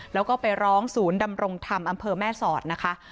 แล้วก็ไปร้องศูนย์ดำรงธรรมอำเภอแม่สอดนะคะ